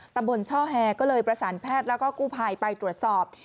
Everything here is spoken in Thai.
ตำบลช่อแฮก็เลยประสานแพทย์แล้วก็กู้ภัยไปตรวจสอบ